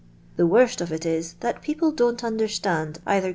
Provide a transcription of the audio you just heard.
The worst of it is, that pe»«p'.e don't understand either go.